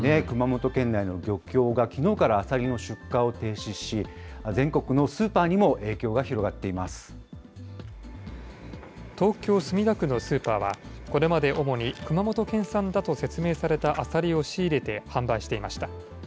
熊本県内の漁協がきのうからアサリの出荷を停止し、全国のスーパ東京・墨田区のスーパーは、これまで主に、熊本県産だと説明されたアサリを仕入れて、販売していました。